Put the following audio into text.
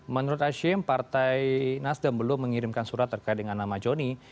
menurut hashim partai nasdem belum mengirimkan surat terkait dengan nama joni